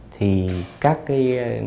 thì các cái